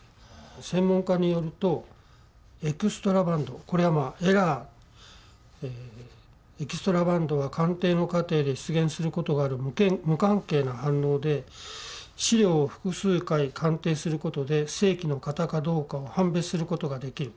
「専門家によるとエキストラバンドこれはエラーエキストラバンドは鑑定の過程で出現することがある無関係な反応で試料を複数回鑑定することで正規の型かどうかを判別することができる。